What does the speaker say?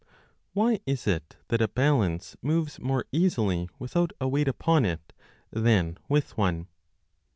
WHY is it that a balance moves more easily without lo a weight upon it than with one